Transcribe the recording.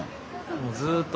もうずっと。